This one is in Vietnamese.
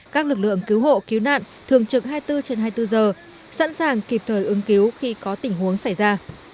các lực lượng cứu hộ cứu nạn thường trực hai mươi bốn trên hai mươi bốn giờ sẵn sàng kịp thời ứng cứu khi có tình huống xảy ra